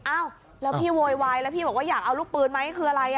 อ้าวแล้วพี่โวยวายแล้วพี่บอกว่าอยากเอาลูกปืนไหมคืออะไร